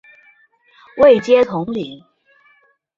位阶统领。